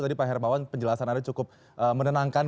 soal penjelasan anda cukup menenangkan